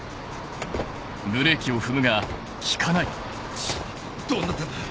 クソっどうなってんだ。